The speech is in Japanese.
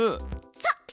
そう！